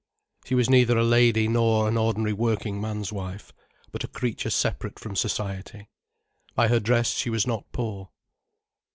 She was neither a lady nor an ordinary working man's wife, but a creature separate from society. By her dress she was not poor.